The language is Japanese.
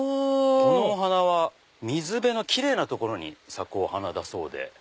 このお花は水辺の奇麗な所に咲くお花だそうで。